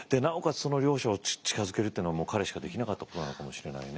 その両者を近づけるっていうのは彼しかできなかったことなのかもしれないね。